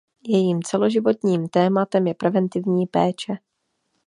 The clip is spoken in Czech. Jejím celoživotním tématem je preventivní péče.